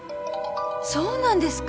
そうなんですか？